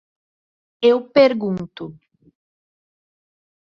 Eu pergunto.